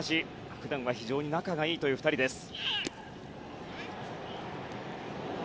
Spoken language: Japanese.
普段は非常に仲がいいという２人です。